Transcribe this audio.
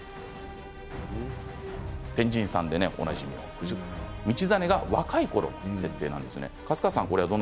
天神さんでおなじみの道真が若い時の設定です。